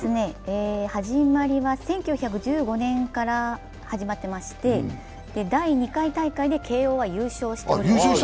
１９１５年から始まっていまして、第２回大会で慶応は優勝しています。